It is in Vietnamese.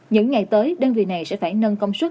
những ngày tới đơn vị này sẽ phải nâng công suất